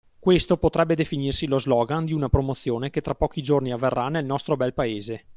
Questo potrebbe definirsi lo slogan di una promozione che tra pochi giorni avverrà nel nostro bel paese.